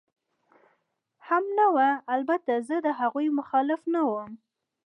هم نه وه، البته زه د هغوی مخالف نه ووم.